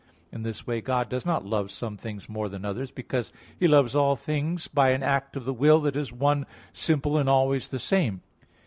In this way God does not love some things more than others, because He loves all things by an act of the will that is one, simple, and always the same.